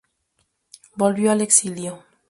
Volvió al exilio.